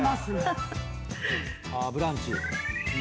あブランチ。